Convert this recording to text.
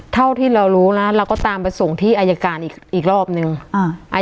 เท่าที่เรารู้นะเราก็ตามไปส่งที่อายการอีกอีกรอบนึงอ่า